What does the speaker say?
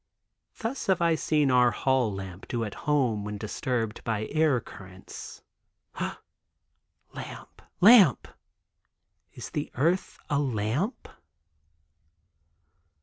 Thus have I seen our hall lamp do at home when disturbed by air currents. Lamp! Lamp! Is the earth a lamp?